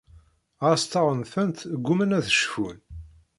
Ɣas ttaɣen-tent ggumman ad cfun.